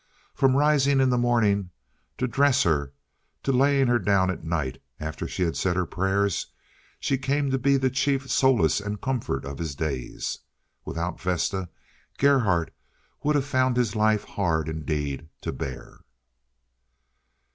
From rising in the morning, to dress her to laying her down at night after she had said her prayers, she came to be the chief solace and comfort of his days. Without Vesta, Gerhardt would have found his life hard indeed to bear.